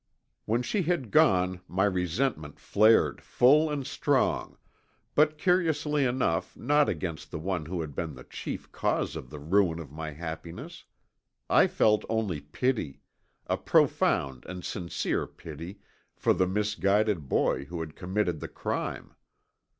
When she had gone my resentment flared full and strong, but curiously enough not against the one who had been the chief cause of the ruin of my happiness. I felt only pity, a profound and sincere pity, for the misguided boy who had committed the crime.